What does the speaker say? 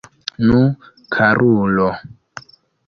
Nu, karulo!